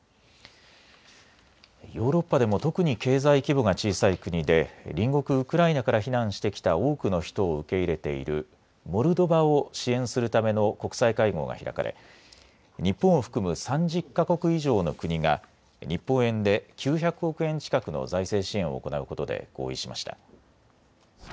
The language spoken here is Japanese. ヨーロッパでも特に経済規模が小さい国で隣国ウクライナから避難してきた多くの人を受け入れているモルドバを支援するための国際会合が開かれ、日本を含む３０か国以上の国が日本円で９００億円近くの財政支援を行うことで合意しました。